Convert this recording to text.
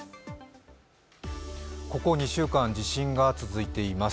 ここ２週間、地震が続いています。